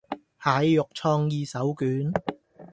蟹肉創意手卷